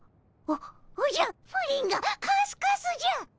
おおじゃプリンがカスカスじゃ。